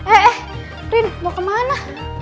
eh rin mau kemana